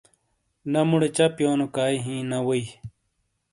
نہ مُوڑے چہ پِیونو کائی ہِیں نہ ووئی۔